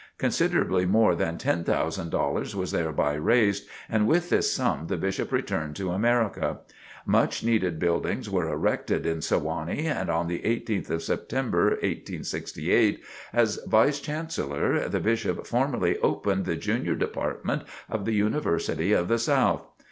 Considerably more than ten thousand dollars was thereby raised, and with this sum the Bishop returned to America. Much needed buildings were erected in Sewanee, and on the 18th of September, 1868, as Vice Chancellor, the Bishop formally opened the Junior Department of The University of the South.